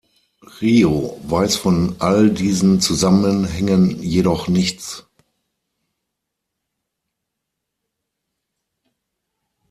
Ryu weiß von all diesen Zusammenhängen jedoch nichts.